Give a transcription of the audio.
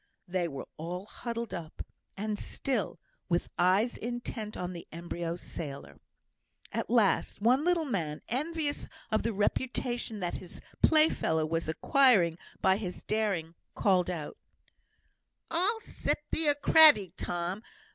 They were all huddled up, and still; with eyes intent on the embryo sailor. At last, one little man, envious of the reputation that his playfellow was acquiring by his daring, called out: "I'll set thee a craddy, Tom!